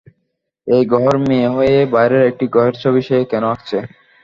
এই গ্রহের মেয়ে হয়ে বাইরের একটি গ্রহের ছবি সে কেন আঁকছে?